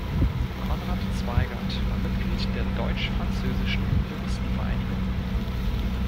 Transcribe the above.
Konrad Zweigert war Mitglied der Deutsch-Französischen Juristenvereinigung.